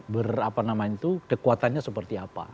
berapa nama itu kekuatannya seperti apa